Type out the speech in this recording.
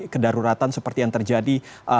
kedaruratan seperti yang terjadi